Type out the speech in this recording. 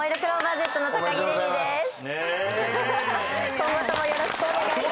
今後ともよろしくお願いします！